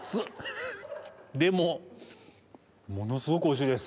でもものすごくおいしいです！